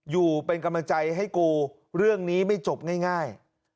อยู่เป็นกำลังใจให้กูเรื่องนี้ไม่จบง่าย